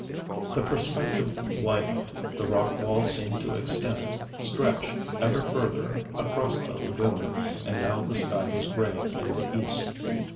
The perspective widened, the rock wall seemed to extend, stretch ever further across the lagoon, and now the sky was graying in the East.